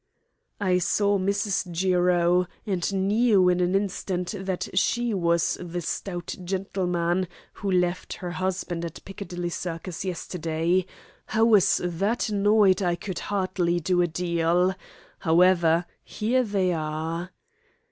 "I saw Mrs. Jiro, and knew in an instant that she was the stout gentleman who left her husband at Piccadilly Circus yesterday. I was that annoyed I could hardly do a deal. However, here they are."